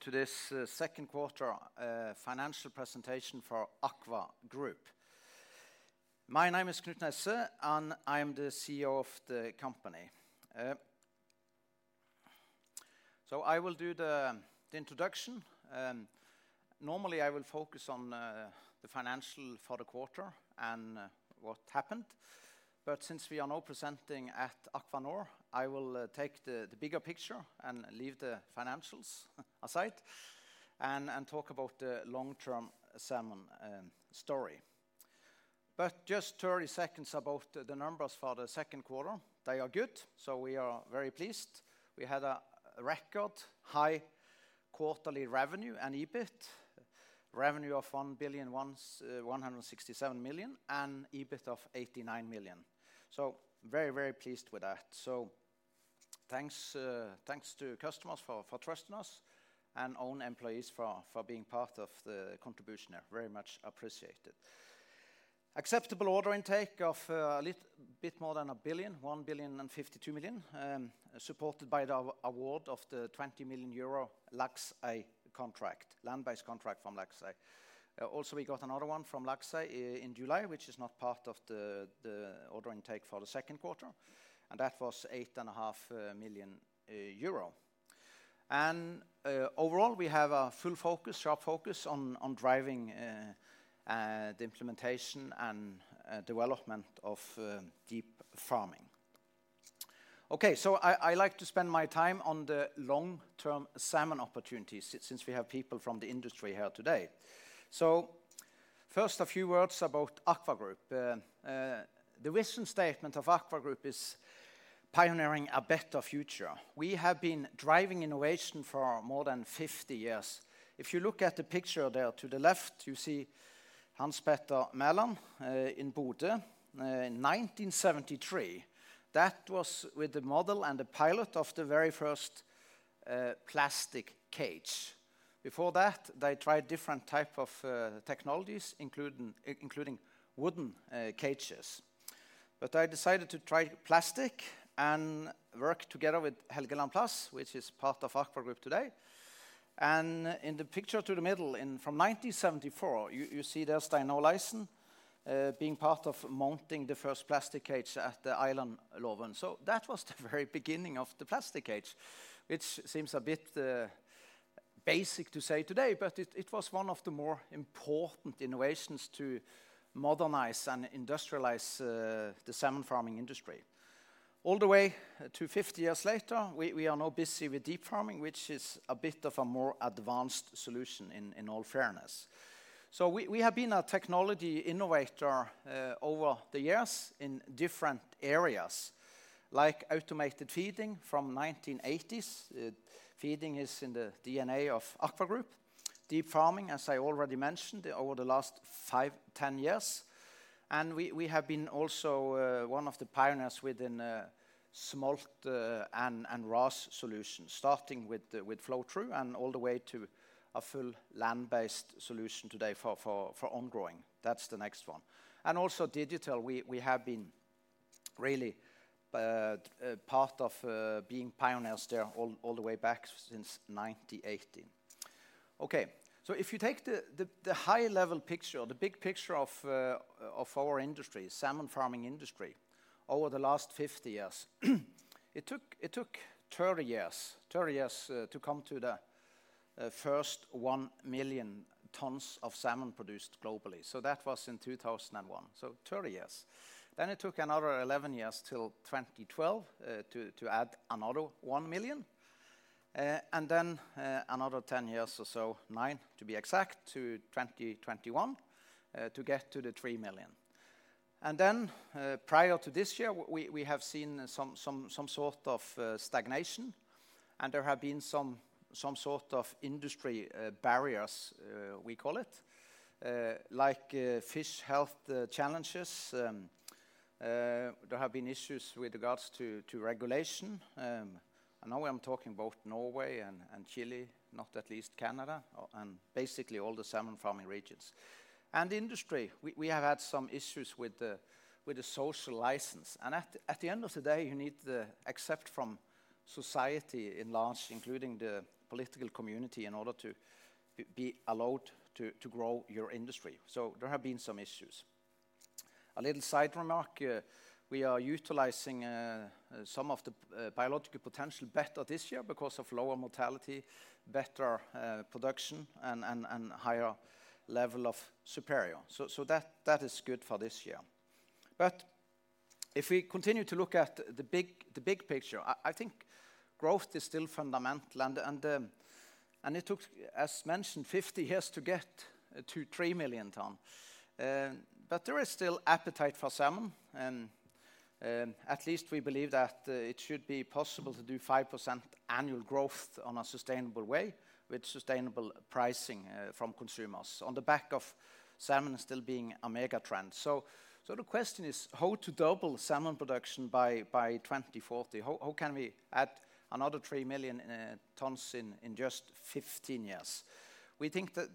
To this second quarter financial presentation for AKVA group. My name is Knut Nesse, and I am the CEO of the company. I will do the introduction. Normally, I will focus on the financials for the quarter and what happened. Since we are now presenting at AKVA North, I will take the bigger picture and leave the financials aside and talk about the long-term sum story, but just 30 seconds about the numbers for the second quarter. They are good, so we are very pleased. We had a record high quarterly revenue and EBIT. Revenue of 1.167 billion and EBIT of 89 million. Very, very pleased with that. Thanks to customers for trusting us and all employees for being part of the contribution there. Very much appreciated. Acceptable order intake of a little bit more than a billion, 1.052 billion, supported by the award of the 20 million euro Laxey contract, land-based contract from Laxey. Also, we got another one from Laxey in July, which is not part of the order intake for the second quarter, and that was 8.5 million euro. Overall, we have a full focus, sharp focus on driving the implementation and development of deep farming. I like to spend my time on the long-term salmon opportunities since we have people from the industry here today. First, a few words about AKVA group. The western statement of AKVA group is pioneering a better future. We have been driving innovation for more than 50 years. If you look at the picture there to the left, you see Hans-Peter Mallon in Bodø in 1973. That was with the model and the pilot of the very first plastic cage. Before that, they tried different types of technologies, including wooden cages. They decided to try plastic and work together with Helgeland Plast, which is part of AKVA group today. In the picture to the middle, from 1974, you see Derstine and Olaussen being part of mounting the first plastic cage at the island Lovund. That was the very beginning of the plastic cage, which seems a bit basic to say today, but it was one of the more important innovations to modernize and industrialize the salmon farming industry. All the way to 50 years later, we are now busy with deep farming, which is a bit of a more advanced solution in all fairness. We have been a technology innovator over the years in different areas, like automated feeding from the 1980s. Feeding is in the DNA of AKVA group. Deep farming, as I already mentioned, over the last five, ten years. We have been also one of the pioneers within smolt and RAS solutions, starting with flow-through and all the way to a full land-based solution today for on-growing. That's the next one. Also, digital, we have been really part of being pioneers there all the way back since 1981. If you take the high-level picture, the big picture of our industry, salmon farming industry, over the last 50 years, it took 30 years to come to the first 1 million tons of salmon produced globally. That was in 2001, so 30 years. It took another 11 years till 2012 to add another 1 million. Then another 10 years or so, nine to be exact, to 2021 to get to the 3 million. Prior to this year, we have seen some sort of stagnation. There have been some sort of industry barriers, we call it, like fish health challenges. There have been issues with regards to regulation. Now I'm talking about Norway and Chile, not at least Canada, and basically all the salmon farming regions. In the industry, we have had some issues with the social license. At the end of the day, you need to accept from society at large, including the political community, in order to be allowed to grow your industry. There have been some issues. A little side remark, we are utilizing some of the biological potential better this year because of lower mortality, better production, and higher level of superior. That is good for this year. If we continue to look at the big picture, I think growth is still fundamental. It took, as mentioned, 50 years to get to 3 million tons. There is still appetite for salmon. At least we believe that it should be possible to do 5% annual growth in a sustainable way with sustainable pricing from consumers on the back of salmon still being a mega trend. The question is how to double salmon production by 2040. How can we add another 3 million tons in just 15 years? We think that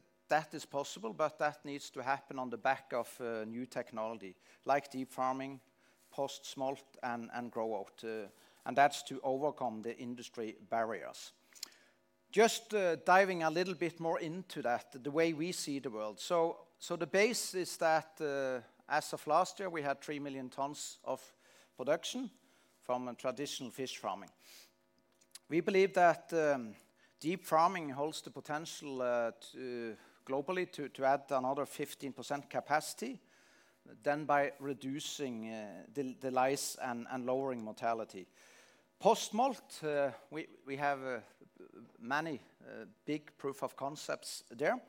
is possible, but that needs to happen on the back of new technology like deep farming, post-smolt, and grow-out. That is to overcome the industry barriers. Just diving a little bit more into that, the way we see the world. The base is that as of last year, we had 3 million tons of production from traditional fish farming. We believe that deep farming holds the potential globally to add another 15% capacity done by reducing the lice and lowering mortality. Post-smolt, we have many big proof of concepts there.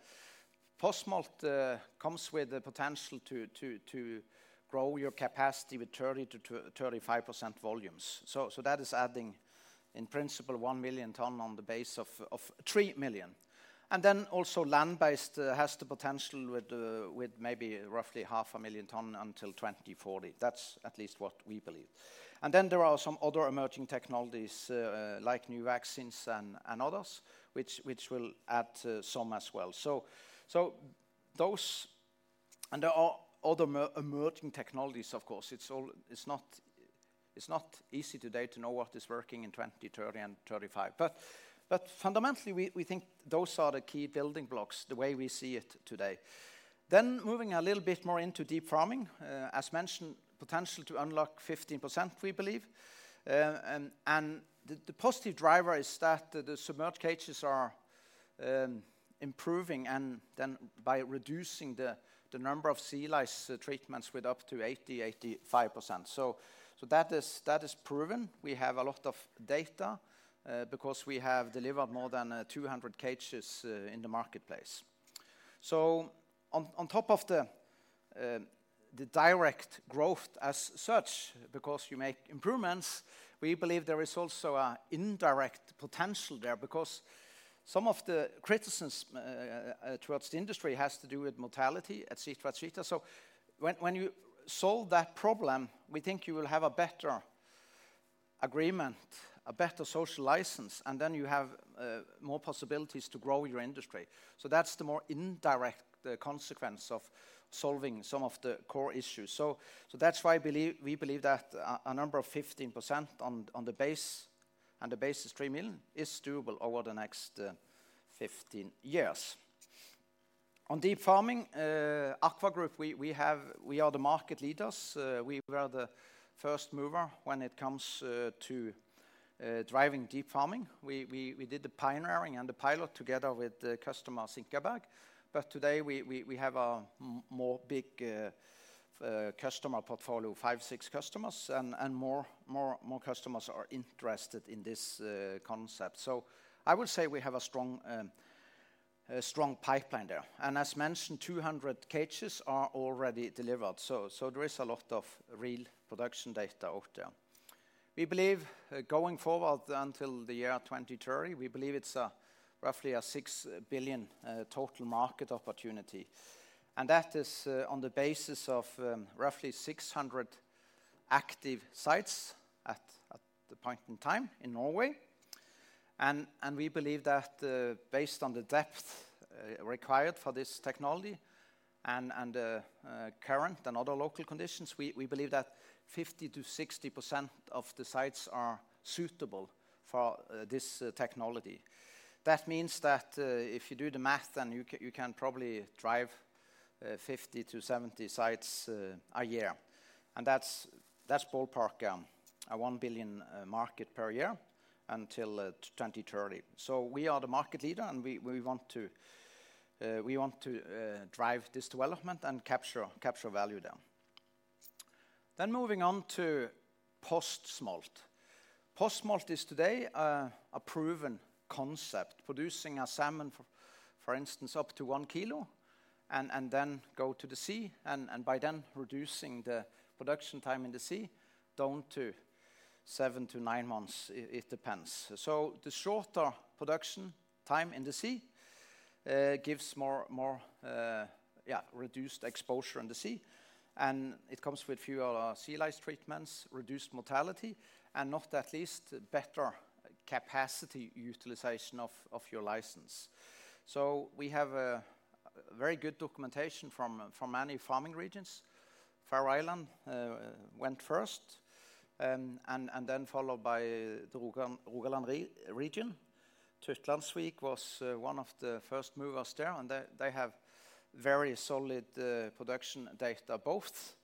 Post-smolt comes with the potential to grow your capacity with 30%-35% volumes. That is adding, in principle, 1 million ton on the base of 3 million. Land-based has the potential with maybe roughly 500,000 ton until 2040. That's at least what we believe. There are some other emerging technologies like new vaccines and others, which will add some as well. There are other emerging technologies, of course. It's not easy today to know what is working in 2030 and 2035. Fundamentally, we think those are the key building blocks, the way we see it today. Moving a little bit more into deep farming, as mentioned, potential to unlock 15%, we believe. The positive driver is that the submerged cages are improving and by reducing the number of sea lice treatments with up to 80%-85%. That is proven. We have a lot of data because we have delivered more than 200 cages in the marketplace. On top of the direct growth as such, because you make improvements, we believe there is also an indirect potential there because some of the criticisms towards the industry have to do with mortality, et cetera. When you solve that problem, we think you will have a better agreement, a better social license, and you have more possibilities to grow your industry. That's the more indirect consequence of solving some of the core issues. That's why we believe that a number of 15% on the base, and the base is 3 million, is doable over the next 15 years. On deep farming, AKVA group, we are the market leaders. We are the first mover when it comes to driving deep farming. We did the pioneering and the pilot together with the customer Sinkaberg. Today, we have a more big customer portfolio, five, six customers, and more customers are interested in this concept. I would say we have a strong pipeline there. As mentioned, 200 cages are already delivered. There is a lot of real production data out there. We believe going forward until the year 2030, we believe it's roughly a $6 billion total market opportunity. That is on the basis of roughly 600 active sites at the point in time in Norway. We believe that based on the depth required for this technology and the current and other local conditions, 50%-60% of the sites are suitable for this technology. That means that if you do the math, then you can probably drive 50 sites-70 sites a year. That's ballpark, a $1 billion market per year until 2030. We are the market leader, and we want to drive this development and capture value there. Moving on to post-smolt. Post-smolt is today a proven concept, producing a salmon, for instance, up to 1 kilo and then go to the sea, and by then reducing the production time in the sea down to seven months to nine months, it depends. The shorter production time in the sea gives more reduced exposure in the sea. It comes with fewer sea lice treatments, reduced mortality, and not at least better capacity utilization of your license. We have very good documentation from many farming regions. Faroe Islands went first and then followed by the Rogaland region. Tuttlandsvik was one of the first movers there, and they have very solid production data, both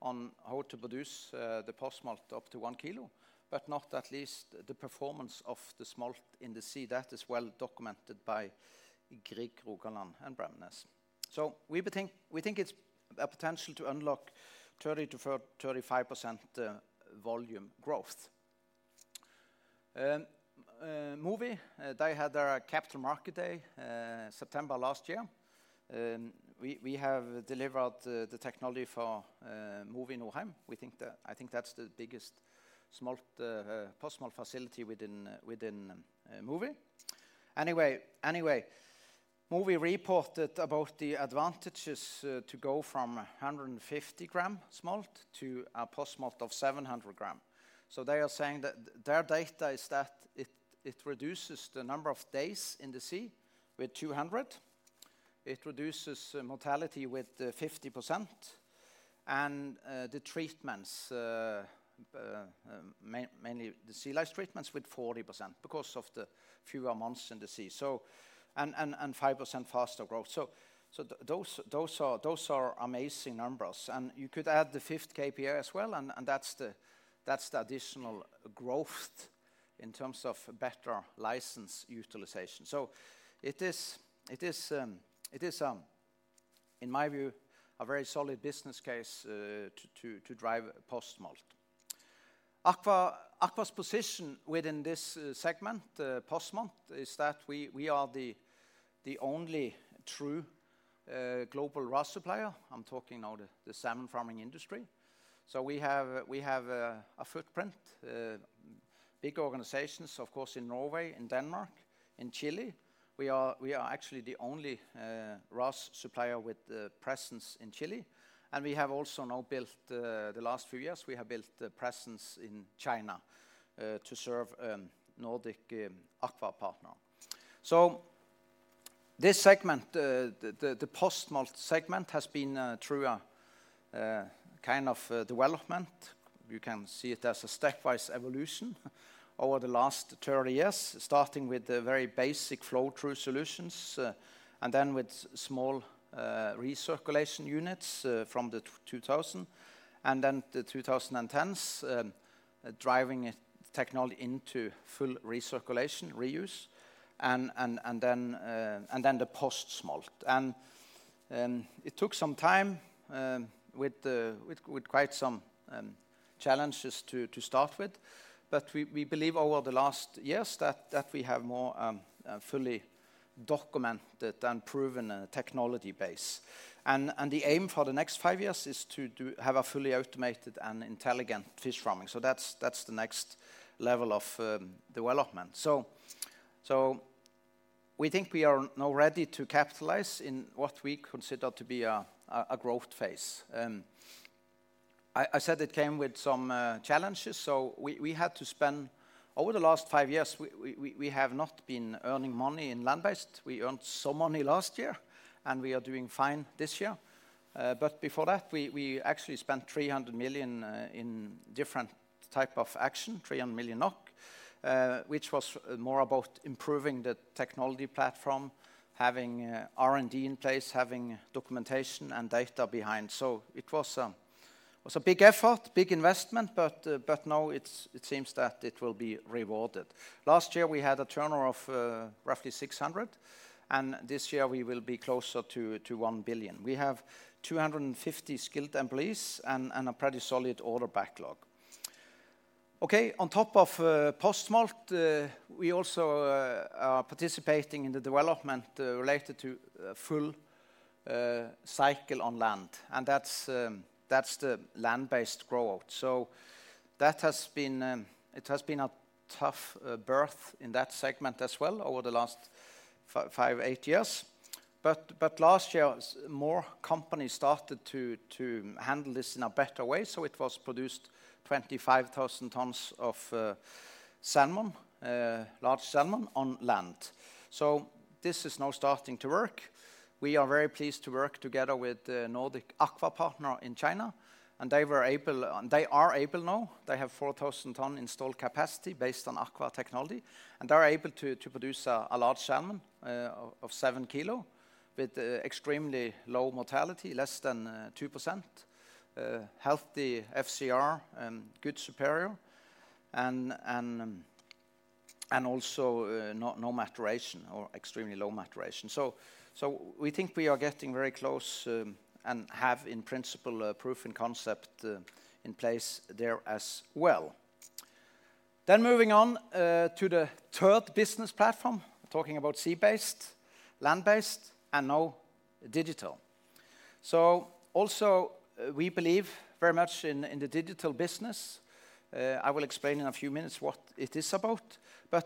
on how to produce the post-smolt up to 1 kilo, but not at least the performance of the smolt in the sea. That is well documented by Grieg, Rogaland, and Bremnes. We think it's a potential to unlock 30%-35% volume growth. MOWI, they had their capital market day September last year. We have delivered the technology for MOWI Nordheim. I think that's the biggest post-smolt facility within MOWI. MOWI reported about the advantages to go from 150 g smolt to a post-smolt of 700 g. They are saying that their data is that it reduces the number of days in the sea by 200. It reduces mortality by 50%. The treatments, mainly the sea lice treatments, by 40% because of the fewer months in the sea. And 5% faster growth. Those are amazing numbers. You could add the fifth KPI as well, and that's the additional growth in terms of better license utilization. It is, in my view, a very solid business case to drive post-smolt. AKVA's position within this segment, post-smolt, is that we are the only true global RAS supplier. I'm talking now the salmon farming industry. We have a footprint, big organizations, of course, in Norway, in Denmark, in Chile. We are actually the only RAS supplier with presence in Chile. We have also now built, the last few years, we have built a presence in China to serve a Nordic Aqua Partner. This segment, the post-smolt segment, has been through a kind of development. You can see it as a stepwise evolution over the last 30 years, starting with the very basic flow-through solutions and then with small recirculation units from the 2000s and then the 2010s, driving technology into full recirculation, reuse, and then the post-smolt. It took some time with quite some challenges to start with. We believe over the last years that we have more fully documented and proven technology base. The aim for the next five years is to have a fully automated and intelligent fish farming. That's the next level of development. We think we are now ready to capitalize in what we consider to be a growth phase. I said it came with some challenges. We had to spend, over the last five years, we have not been earning money in land-based. We earned some money last year, and we are doing fine this year. Before that, we actually spent 300 million in different types of action, 300 million NOK, which was more about improving the technology platform, having R&D in place, having documentation and data behind. It was a big effort, big investment, but now it seems that it will be rewarded. Last year, we had a turnover of roughly 600 million. This year, we will be closer to 1 billion. We have 250 skilled employees and a pretty solid order backlog. On top of post-smolt, we also are participating in the development related to a full cycle on land. That's the land-based grow-out. That has been, it has been a tough birth in that segment as well over the last five, eight years. Last year, more companies started to handle this in a better way. It was produced 25,000 tons of salmon, large salmon on land. This is now starting to work. We are very pleased to work together with the Nordic Aqua partner in China. They were able, and they are able now. They have 4,000 ton installed capacity based on AKVA technology. They're able to produce a large salmon of 7 kg with extremely low mortality, less than 2%, healthy FCR, and good superior, and also no maturation or extremely low maturation. We think we are getting very close and have, in principle, proof in concept in place there as well. Moving on to the third business platform, talking about sea-based, land-based, and now digital. We believe very much in the digital business. I will explain in a few minutes what it is about.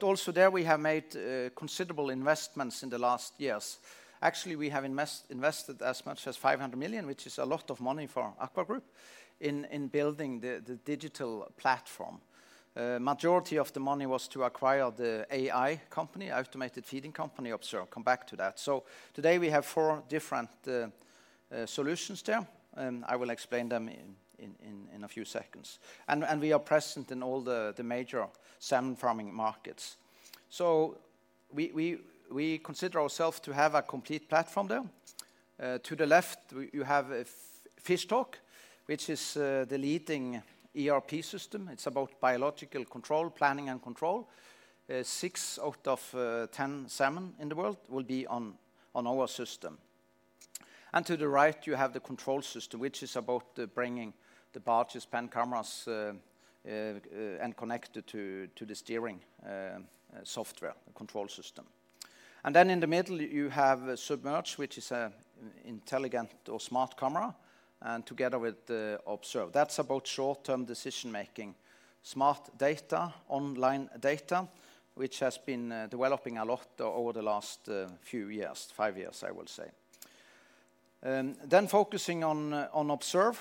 Also there, we have made considerable investments in the last years. Actually, we have invested as much as 500 million, which is a lot of money for AKVA group in building the digital platform. The majority of the money was to acquire the AI company, the automated feeding company. I'll come back to that. Today, we have four different solutions there, and I will explain them in a few seconds. We are present in all the major salmon farming markets. We consider ourselves to have a complete platform there. To the left, you have fishtalk, which is the leading ERP system. It's about biological control, planning, and control. Six out of ten salmon in the world will be on our system. To the right, you have the control system, which is about bringing the barges, pan cameras, and connected to the steering software, the control system. In the middle, you have submerged, which is an intelligent or smart camera, and together with Observe. That's about short-term decision-making, smart data, online data, which has been developing a lot over the last few years, five years, I will say. Focusing on Observe,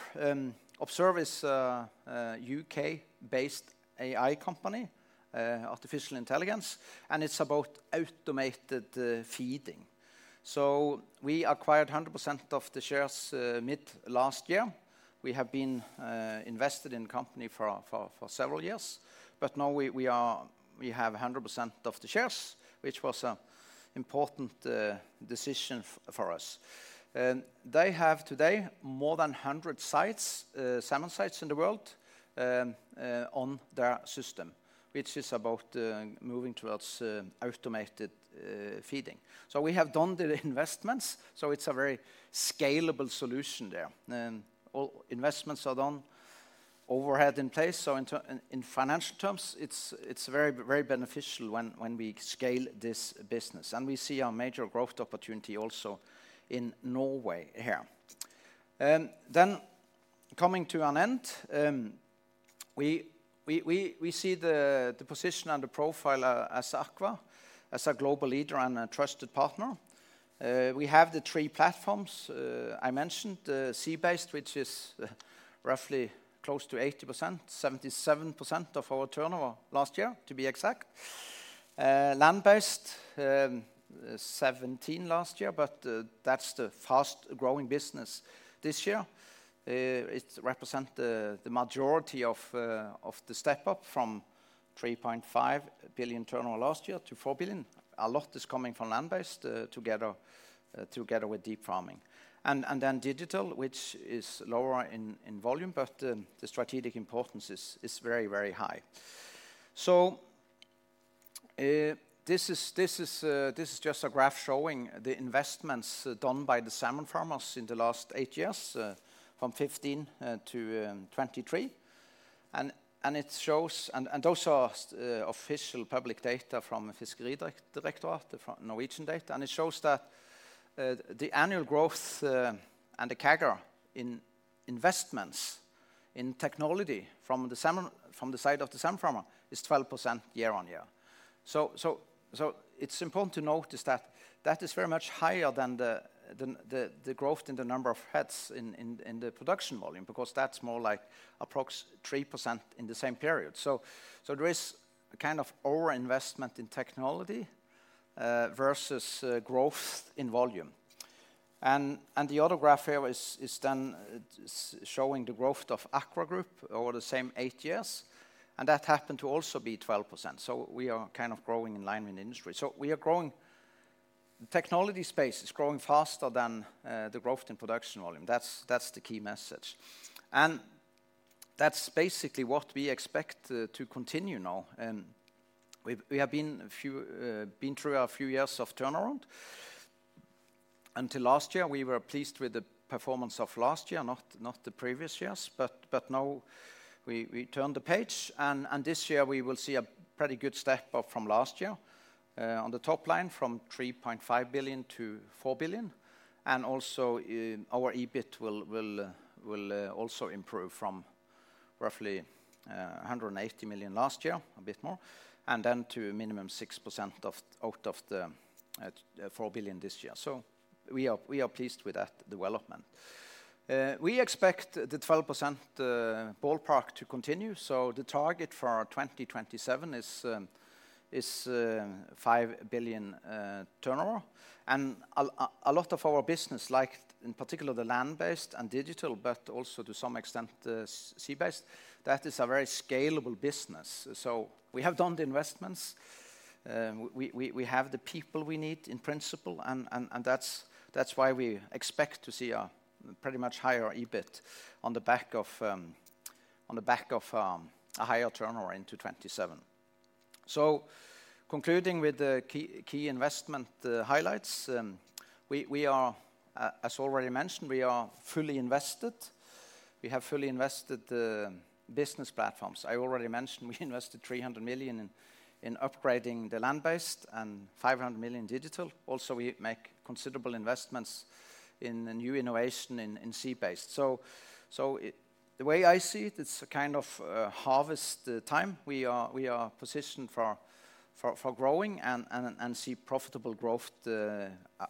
Observe is a U.K.-based AI company, artificial intelligence, and it's about automated feeding. We acquired 100% of the shares mid-last year. We have been invested in the company for several years, but now we have 100% of the shares, which was an important decision for us. They have today more than 100 sites, salmon sites in the world, on their system, which is about moving towards automated feeding. We have done the investments, so it's a very scalable solution there. All investments are done, overhead in place. In financial terms, it's very, very beneficial when we scale this business. We see a major growth opportunity also in Norway here. Coming to an end, we see the position and the profile as AKVA, as a global leader and a trusted partner. We have the three platforms I mentioned: sea-based, which is roughly close to 80%, 77% of our turnover last year, to be exact; land-based, 17% last year, but that's the fast-growing business this year. It represents the majority of the step up from 3.5 billion turnover last year to 4 billion. A lot is coming from land-based together with deep farming. Digital, which is lower in volume, but the strategic importance is very, very high. This is just a graph showing the investments done by the salmon farmers in the last eight years, from 2015 to 2023. Those are official public data from the fishery directorate, the Norwegian data. It shows that the annual growth and the CAGR in investments in technology from the side of the salmon farmer is 12% year-on-year. It's important to notice that that is very much higher than the growth in the number of heads in the production volume because that's more like approximately 3% in the same period. There is a kind of overinvestment in technology versus growth in volume. The other graph here is then showing the growth of AKVA group over the same eight years. That happened to also be 12%. We are kind of growing in line with the industry. We are growing. The technology space is growing faster than the growth in production volume. That's the key message. That's basically what we expect to continue now. We have been through a few years of turnaround. Until last year, we were pleased with the performance of last year, not the previous years. Now we turned the page. This year, we will see a pretty good step up from last year on the top line from 3.5 billion to 4 billion. Also, our EBIT will also improve from roughly 180 million last year, a bit more, and then to a minimum 6% out of the 4 billion this year. We are pleased with that development. We expect the 12% ballpark to continue. The target for 2027 is 5 billion turnover. A lot of our business, like in particular the land-based and digital, but also to some extent sea-based, that is a very scalable business. We have done the investments. We have the people we need, in principle. That's why we expect to see a pretty much higher EBIT on the back of a higher turnover into 2027. Concluding with the key investment highlights, we are, as already mentioned, we are fully invested. We have fully invested business platforms. I already mentioned we invested 300 million in upgrading the land-based and 500 million digital. Also, we make considerable investments in new innovation in sea-based. The way I see it, it's a kind of harvest time. We are positioned for growing and see profitable growth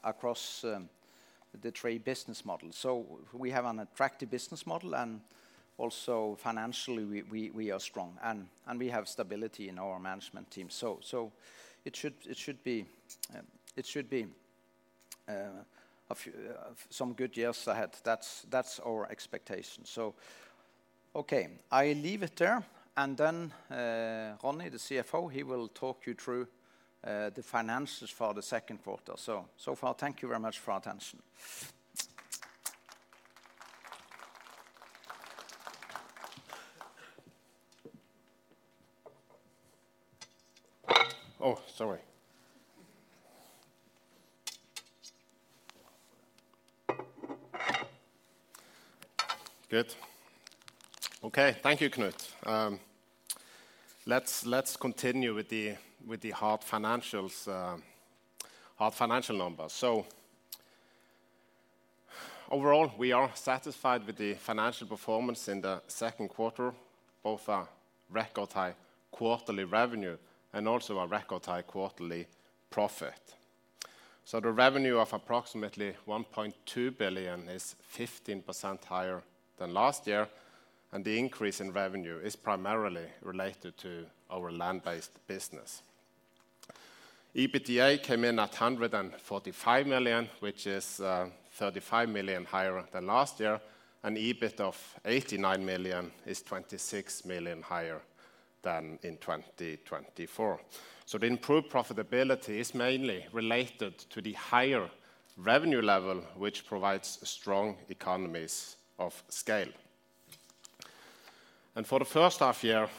across the three business models. We have an attractive business model. Also, financially, we are strong. We have stability in our management team. It should be some good years ahead. That's our expectation. I leave it there. Then Ronny, the CFO, he will talk you through the finances for the second quarter. So far, thank you very much for attention. Oh, sorry. Good. Okay, thank you, Knut. Let's continue with the hard financial numbers. Overall, we are satisfied with the financial performance in the second quarter, both our record-high quarterly revenue and also our record-high quarterly profit. The revenue of approximately 1.2 billion is 15% higher than last year. The increase in revenue is primarily related to our land-based business. EBITDA came in at 145 million, which is 35 million higher than last year. EBIT of 89 million is 26 million higher than in 2024. The improved profitability is mainly related to the higher revenue level, which provides strong economies of scale. For the first half year,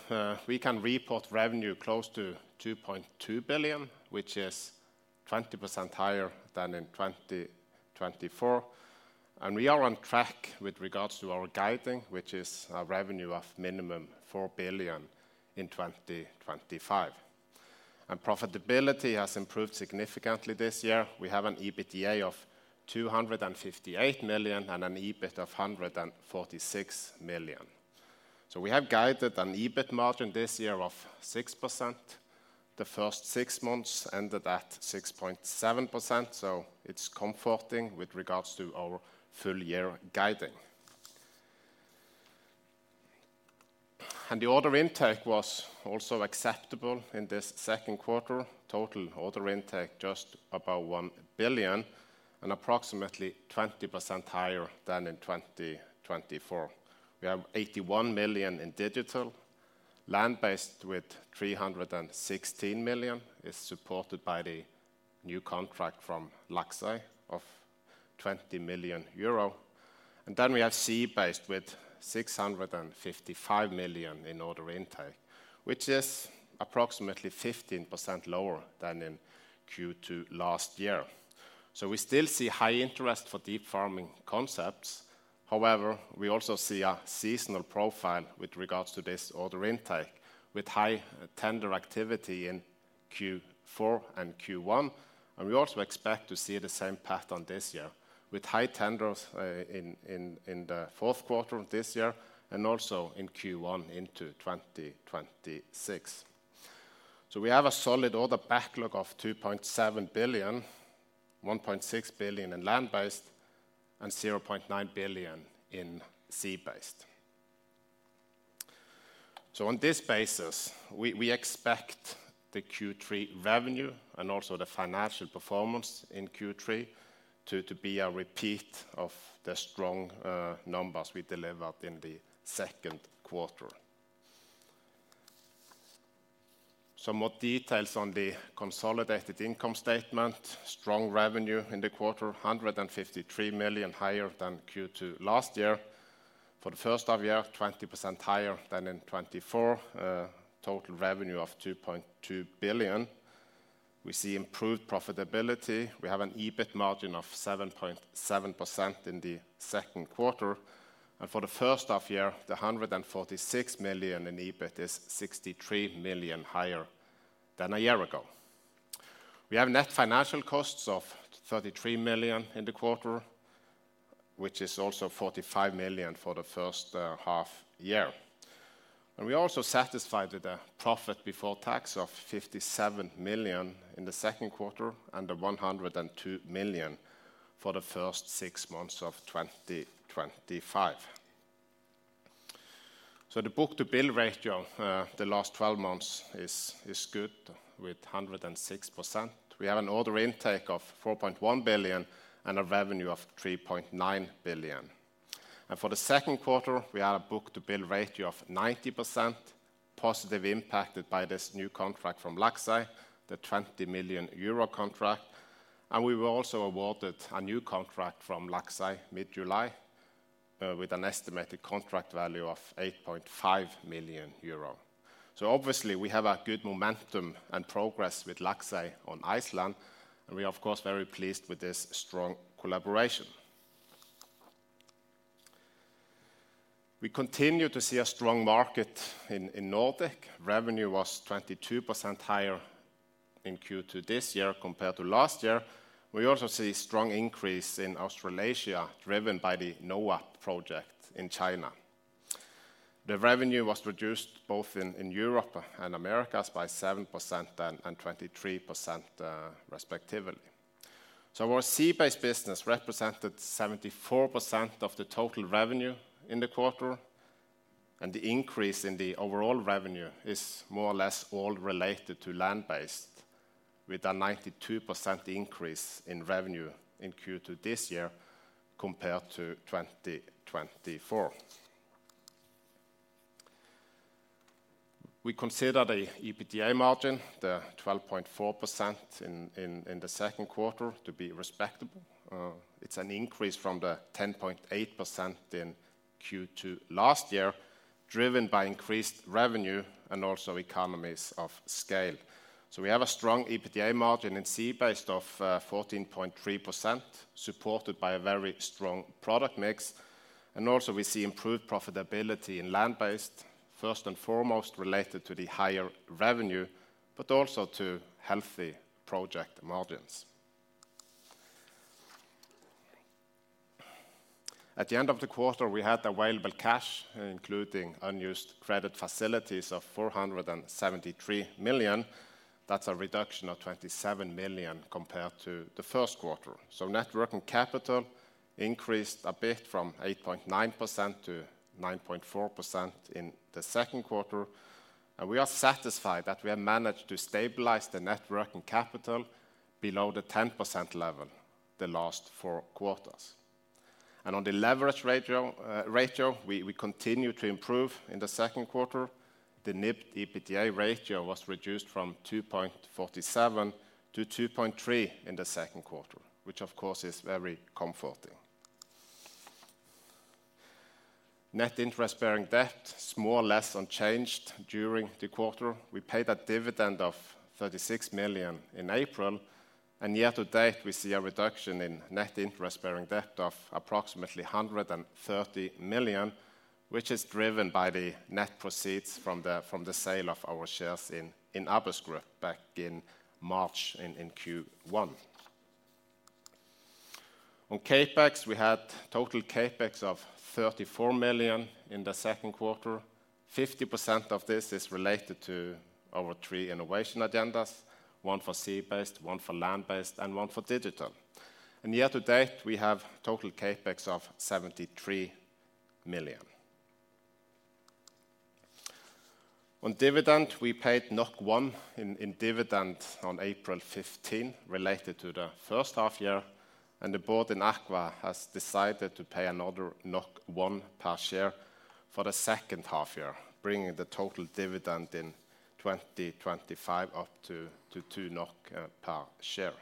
we can report revenue close to 2.2 billion, which is 20% higher than in 2024. We are on track with regards to our guiding, which is a revenue of minimum 4 billion in 2025. Profitability has improved significantly this year. We have an EBITDA of 258 million and an EBIT of 146 million. We have guided an EBIT margin this year of 6%. The first six months ended at 6.7%. It's comforting with regards to our full-year guiding. The order intake was also acceptable in this second quarter. Total order intake just above 1 billion and approximately 20% higher than in 2024. We have 81 million in digital. Land-based with 316 million is supported by the new contract from Laxey of 20 million euro. We have sea-based with 655 million in order intake, which is approximately 15% lower than in Q2 last year. We still see high interest for deep farming concepts. However, we also see a seasonal profile with regards to this order intake with high tender activity in Q4 and Q1. We also expect to see the same pattern this year with high tenders in the fourth quarter of this year and also in Q1 into 2026. We have a solid order backlog of 2.7 billion, 1.6 billion in land-based, and 0.9 billion in sea-based. On this basis, we expect the Q3 revenue and also the financial performance in Q3 to be a repeat of the strong numbers we delivered in the second quarter. Some more details on the consolidated income statement. Strong revenue in the quarter, 153 million higher than Q2 last year. For the first half year, 20% higher than in 2024. Total revenue of 2.2 billion. We see improved profitability. We have an EBIT margin of 7.7% in the second quarter. For the first half year, the 146 million in EBIT is 63 million higher than a year ago. We have net financial costs of 33 million in the quarter, which is also 45 million for the first half year. We are also satisfied with the profit before tax of 57 million in the second quarter and 102 million for the first six months of 2025. The book-to-bill ratio the last 12 months is good with 106%. We have an order intake of 4.1 billion and a revenue of 3.9 billion. For the second quarter, we had a book-to-bill ratio of 90%, positively impacted by this new contract from Laxey, the 20 million euro contract. We were also awarded a new contract from Laxey mid-July with an estimated contract value of 8.5 million euro. Obviously, we have a good momentum and progress with Laxey in Iceland. We are, of course, very pleased with this strong collaboration. We continue to see a strong market in Nordic. Revenue was 22% higher in Q2 this year compared to last year. We also see a strong increase in Australasia, driven by the NOAP project in China. The revenue was reduced both in Europe and America by 7% and 23%, respectively. Our sea-based business represented 74% of the total revenue in the quarter. The increase in the overall revenue is more or less all related to land-based, with a 92% increase in revenue in Q2 this year compared to 2024. We consider the EBITDA margin, the 12.4% in the second quarter, to be respectable. It's an increase from the 10.8% in Q2 last year, driven by increased revenue and also economies of scale. We have a strong EBITDA margin in sea-based of 14.3%, supported by a very strong product mix. We also see improved profitability in land-based, first and foremost related to the higher revenue, but also to healthy project margins. At the end of the quarter, we had the available cash, including unused credit facilities, of 473 million. That's a reduction of 27 million compared to the first quarter. Networking capital increased a bit from 8.9% to 9.4% in the second quarter. We are satisfied that we have managed to stabilize the networking capital below the 10% level the last four quarters. On the leverage ratio, we continue to improve in the second quarter. The NIPT EBITDA ratio was reduced from 2.47 to 2.3 in the second quarter, which, of course, is very comforting. Net interest-bearing debt, small, less unchanged during the quarter. We paid a dividend of 36 million in April. Year-to-date, we see a reduction in net interest-bearing debt of approximately 130 million, which is driven by the net proceeds from the sale of our shares in Abyss Group back in March in Q1. On CapEx, we had total CapEx of 34 million in the second quarter. 50% of this is related to our three innovation agendas, one for sea-based, one for land-based, and one for digital. Year-to-date, we have total CapEx of 73 million. On dividend, we paid 1 in dividends on April 15 related to the first half year. The board in AKVA group has decided to pay another 1 per share for the second half year, bringing the total dividend in 2025 up to 2 NOK per share.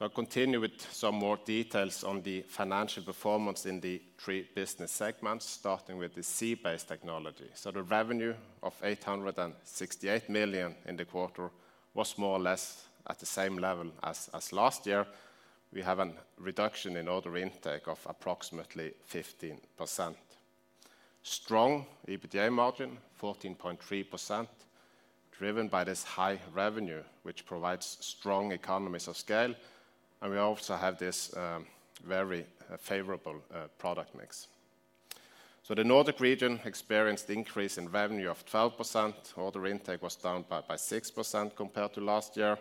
I'll continue with some more details on the financial performance in the three business segments, starting with the sea-based technology. The revenue of 868 million in the quarter was more or less at the same level as last year. We have a reduction in order intake of approximately 15%. Strong EBITDA margin, 14.3%, driven by this high revenue, which provides strong economies of scale. We also have this very favorable product mix. The Nordic region experienced an increase in revenue of 12%. Order intake was down by 6% compared to last year.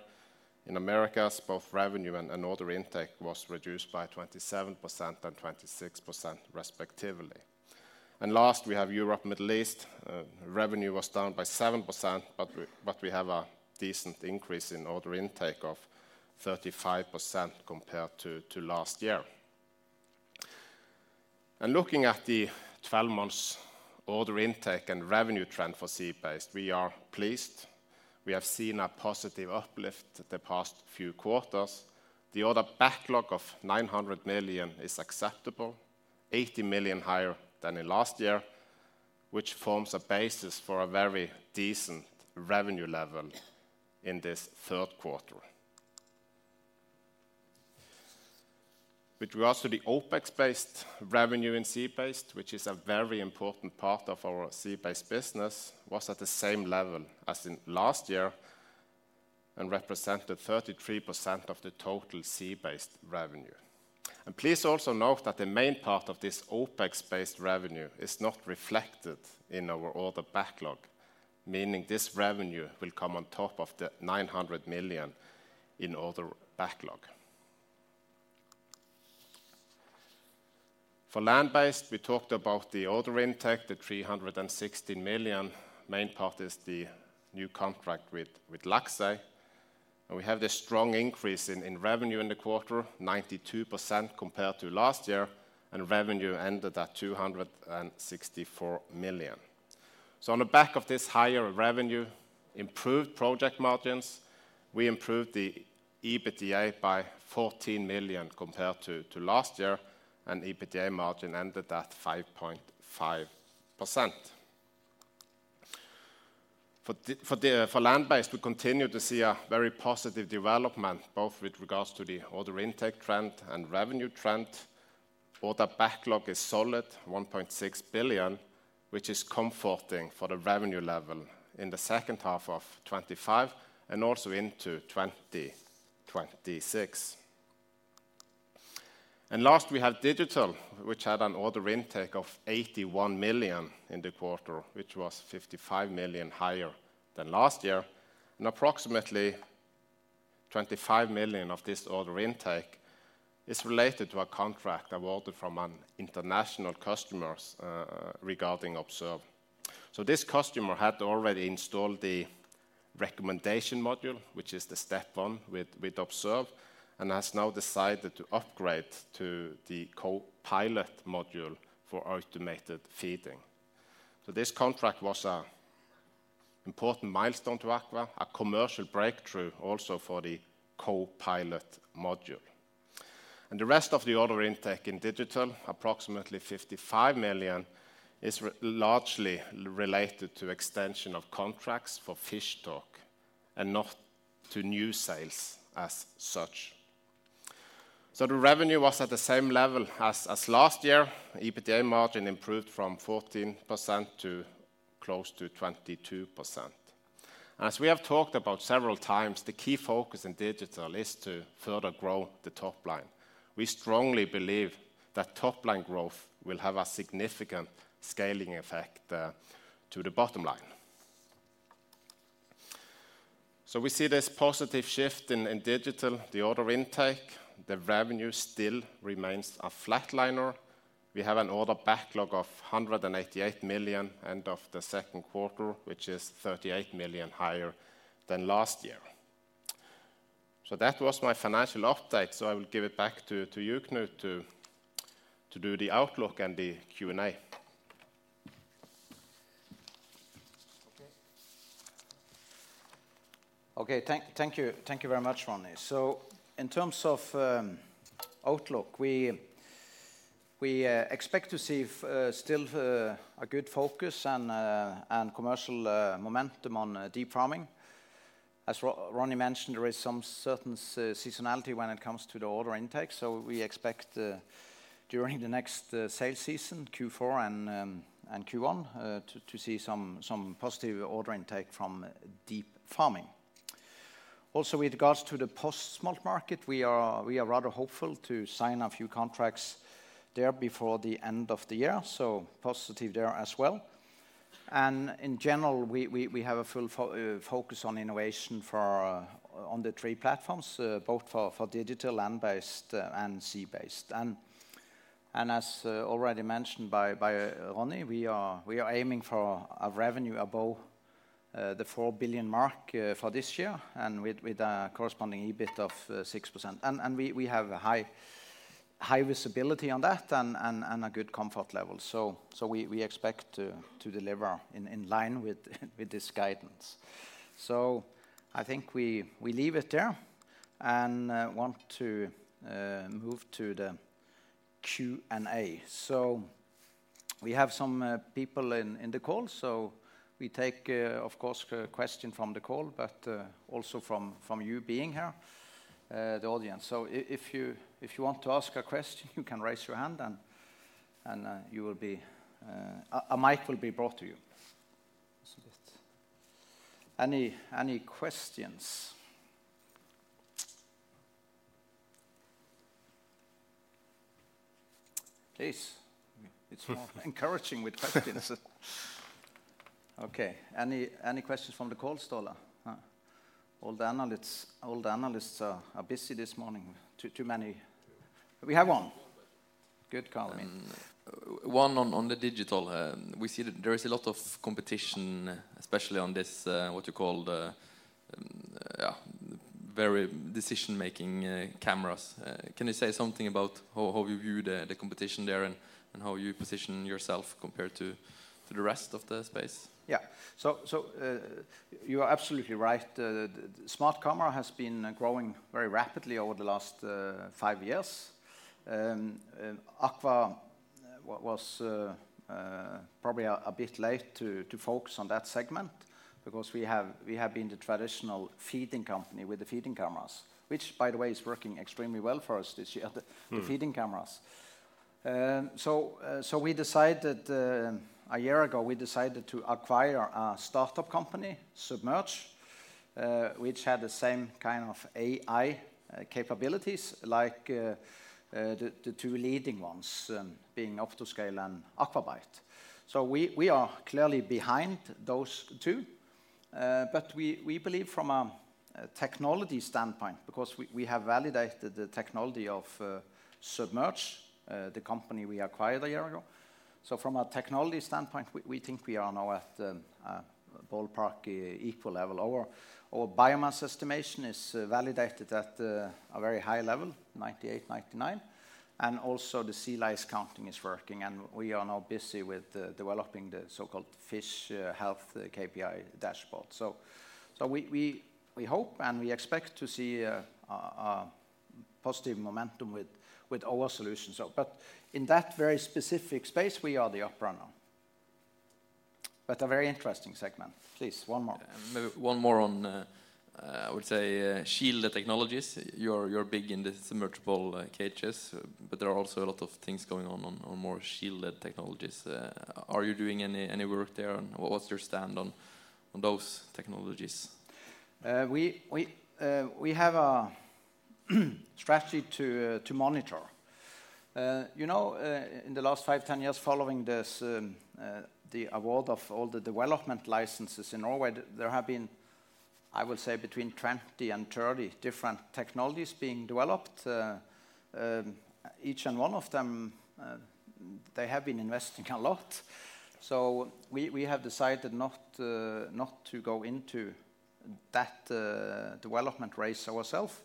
In America, both revenue and order intake were reduced by 27% and 26%, respectively. Last, we have Europe, Middle East. Revenue was down by 7%, but we have a decent increase in order intake of 35% compared to last year. Looking at the 12 months order intake and revenue trend for sea-based, we are pleased. We have seen a positive uplift the past few quarters. The order backlog of 900 million is acceptable, 80 million higher than last year, which forms a basis for a very decent revenue level in this third quarter. With regards to the OpEx-based revenue in sea-based, which is a very important part of our sea-based business, it was at the same level as last year and represented 33% of the total sea-based revenue. Please also note that the main part of this OpEx-based revenue is not reflected in our order backlog, meaning this revenue will come on top of the 900 million in order backlog. For land-based, we talked about the order intake, the 316 million. The main part is the new contract with Laxey. We have this strong increase in revenue in the quarter, 92% compared to last year. Revenue ended at 264 million. On the back of this higher revenue, improved project margins, we improved the EBITDA by 14 million compared to last year. EBITDA margin ended at 5.5%. For land-based, we continue to see a very positive development, both with regards to the order intake trend and revenue trend. Order backlog is solid, 1.6 billion, which is comforting for the revenue level in the second half of 2025 and also into 2026. Last, we have digital, which had an order intake of 81 million in the quarter, which was 55 million higher than last year. Approximately 25 million of this order intake is related to a contract awarded from an international customer regarding Observe. This customer had already installed the recommendation module, which is the step one with Observe, and has now decided to upgrade to the co-pilot module for automated feeding. This contract was an important milestone to AKVA, a commercial breakthrough also for the co-pilot module. The rest of the order intake in digital, approximately 55 million, is largely related to extension of contracts for fishtalk and not to new sales as such. Revenue was at the same level as last year. EBITDA margin improved from 14% to close to 22%. As we have talked about several times, the key focus in digital is to further grow the top line. We strongly believe that top line growth will have a significant scaling effect to the bottom line. We see this positive shift in digital, the order intake. Revenue still remains a flatliner. We have an order backlog of 188 million end of the second quarter, which is 38 million higher than last year. That was my financial update. I will give it back to you, Knut, to do the outlook and the Q&A. Thank you very much, Ronny. In terms of outlook, we expect to see still a good focus and commercial momentum on deep farming. As Ronny mentioned, there is some certain seasonality when it comes to the order intake. We expect during the next sales season, Q4 and Q1, to see some positive order intake from deep farming. With regards to the post-smolt market, we are rather hopeful to sign a few contracts there before the end of the year. Positive there as well. In general, we have a full focus on innovation on the three platforms, both for digital, land-based, and sea-based. As already mentioned by Ronny, we are aiming for a revenue above the 4 billion mark for this year and with a corresponding EBIT of 6%. We have a high visibility on that and a good comfort level. We expect to deliver in line with this guidance. I think we leave it there and want to move to the Q&A. We have some people in the call. We take, of course, a question from the call, but also from you being here, the audience. If you want to ask a question, you can raise your hand and a mic will be brought to you. Any questions? It's more encouraging with questions. Any questions from the call, Ståle? All the analysts are busy this morning. Too many. We have one. Good call. On the digital, we see that there is a lot of competition, especially on this, what you call the very decision-making cameras. Can you say something about how you view the competition there and how you position yourself compared to the rest of the space? Yeah, you are absolutely right. The smart camera has been growing very rapidly over the last five AKVA was probably a bit late to focus on that segment because we have been the traditional feeding company with the feeding cameras, which, by the way, is working extremely well for us this year, the feeding cameras. We decided a year ago to acquire a startup company, submerged, which had the same kind of AI capabilities like the two leading ones being UP2SCALE and AquaBite. We are clearly behind those two. We believe from a technology standpoint, because we have validated the technology of submerged, the company we acquired a year ago, we think we are now at a ballpark equal level. Our biomass estimation is validated at a very high level, 98%, 99%. Also, the sea lice counting is working. We are now busy with developing the so-called fish health KPI dashboard. We hope and we expect to see a positive momentum with our solution. In that very specific space, we are the upper now. A very interesting segment. Please, one more. One more on shielded technologies. You're big in the submerged cages, but there are also a lot of things going on with more shielded technologies. Are you doing any work there? What's your stand on those technologies? We have a strategy to monitor. You know, in the last five, 10 years following this, the award of all the development licenses in Norway, there have been, I will say, between 20 and 30 different technologies being developed. Each and one of them, they have been investing a lot. We have decided not to go into that development race ourselves,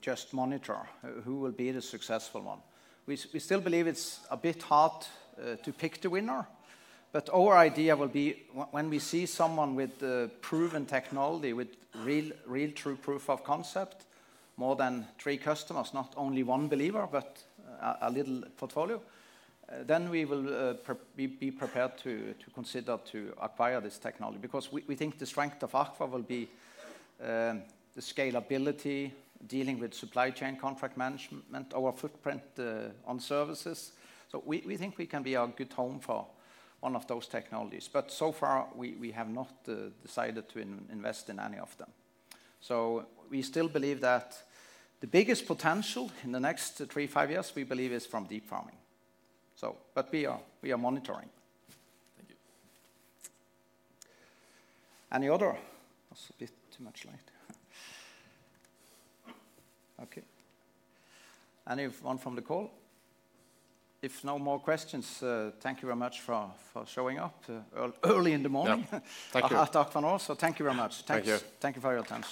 just monitor who will be the successful one. We still believe it's a bit hard to pick the winner. Our idea will be when we see someone with proven technology, with real true proof of concept, more than three customers, not only one believer, but a little portfolio, then we will be prepared to consider to acquire this technology because we think the strength AKVA will be the scalability, dealing with supply chain contract management, our footprint on services. We think we can be a good home for one of those technologies. So far, we have not decided to invest in any of them. We still believe that the biggest potential in the next three years to five years, we believe, is from deep farming. We are monitoring. Thank you. Any other? That's a bit too much light. Okay. Anyone from the call? If no more questions, thank you very much for showing up early in the morning. Thank you. Thank you very much. I'll talk for now. Thank you. Thank you for your time.